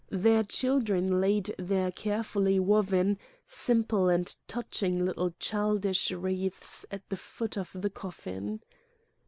Their children laid their carefully woven, simple and touching little childish wreaths at the foot of the coffin.